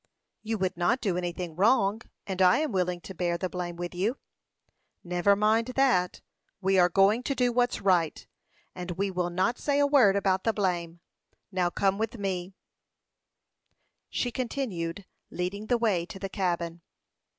"You would not do anything wrong, and I am willing to bear the blame with you." "Never mind that; we are going to do what's right, and we will not say a word about the blame. Now come with me," she continued, leading the way to the cabin.